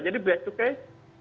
jadi beacukai tidak berbahaya